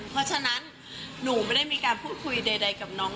เพราะฉะนั้นหนูไม่ได้มีการพูดคุยใดกับน้อง